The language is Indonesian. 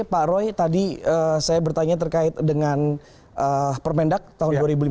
pak roy tadi saya bertanya terkait dengan permendak tahun dua ribu lima belas